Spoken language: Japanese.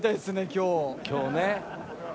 今日ね。